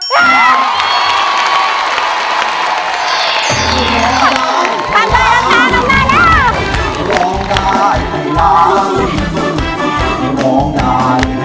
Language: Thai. กลับมารับมาน้องนายล่ะ